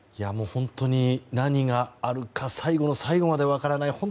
本当に何があるか最後の最後まで分からない、